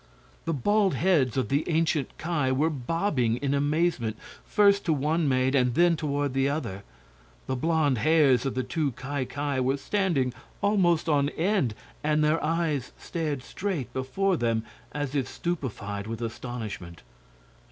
The bald heads of the ancient Ki were bobbing in amazement, first to one maid and then toward the other. The blond hairs of the two Ki Ki were standing almost on end, and their eyes stared straight before them as if stupefied with astonishment.